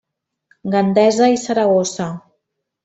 Gandesa i Saragossa.